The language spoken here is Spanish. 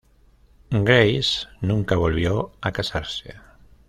Grace nunca volvió a casarse.